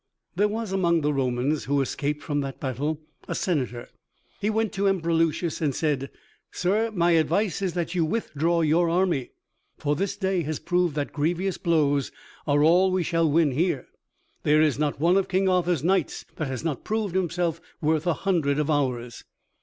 There was among the Romans who escaped from that battle a senator. He went to the Emperor Lucius and said, "Sir, my advice is that you withdraw your army, for this day has proved that grievous blows are all we shall win here. There is not one of King Arthur's knights that has not proved himself worth a hundred of ours."